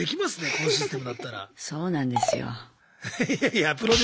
このシステムだったら。